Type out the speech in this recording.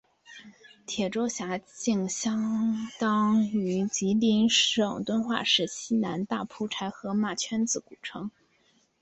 铁州辖境相当今吉林省敦化市西南大蒲柴河马圈子古城。